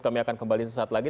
kami akan kembali sesaat lagi